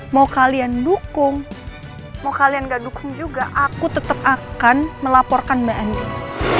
mau kalian dukung mau kalian gak dukung juga aku tetap akan melaporkan bni